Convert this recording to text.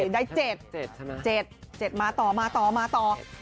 ได้๗เจ็ดเจ็ดเจ็ดมาต่อ